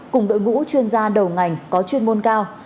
cùng đội ngũ chuyên gia đầu ngành có chuyên môn cao